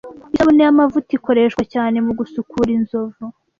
Isabune yamavuta ikoreshwa cyane mugusukura Inzovu